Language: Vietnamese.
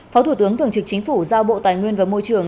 phó thủ tướng thường trực chính phủ giao bộ tài nguyên và môi trường